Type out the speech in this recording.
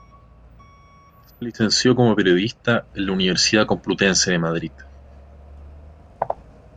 Se licenció como periodista en la Universidad Complutense de Madrid.